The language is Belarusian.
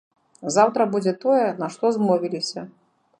Заўтра будзе тое, на што змовіліся.